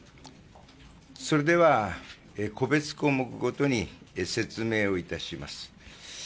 それでは、個別項目ごとに説明をいたします。